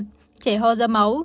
trẻ hò ra máu